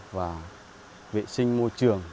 và vệ sinh môi trường